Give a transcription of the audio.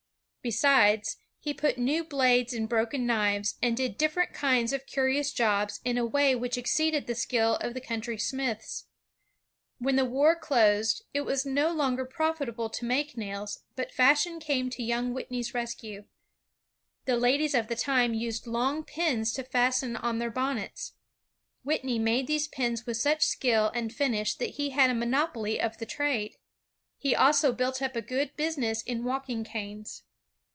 Besides, he put new blades in broken knives, and did different kinds of curious jobs in a way which exceeded the skill of the country smiths. When the war closed, it was no longer profitable to make nails, but fashion came to young Whitney's rescue. The ladies of the time used long pins to fasten on their bonnets. Whitney made these pins with such skill and finish that he had a monopoly of the trade. He also built up a good business in walking canes.